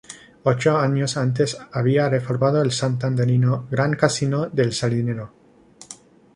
Ocho años antes había reformado el santanderino Gran Casino de El Sardinero.